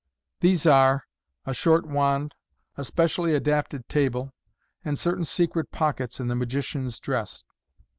These are — a short wand, a speci ally adapted table, and certain secret pockets in the magician's dress.